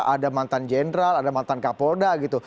ada general ada mantan kapolda gitu